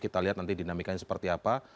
kita lihat nanti dinamikanya seperti apa